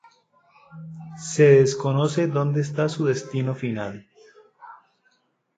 Se desconoce dónde está su destino final.